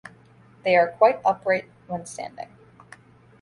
They are quite upright when standing.